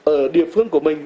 ở địa phương của mình